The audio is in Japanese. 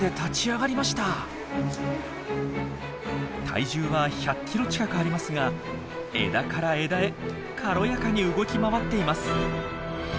体重は１００キロ近くありますが枝から枝へ軽やかに動き回っています。